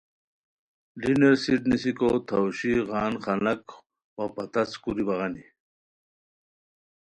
ڈنرسیٹ نیسیکو تھاؤشی، غان، خاناک وا پتاڅ کوری بغانی